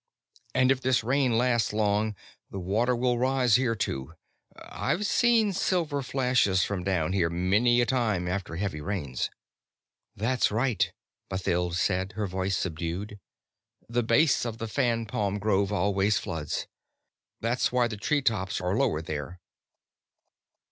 And if this rain lasts long, the water will rise here, too. I've seen silver flashes from down here many a time after heavy rains." "That's right," Mathild said, her voice subdued. "The base of the fan palm grove always floods. That's why the treetops are lower there."